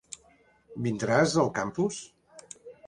Vindràs al campus?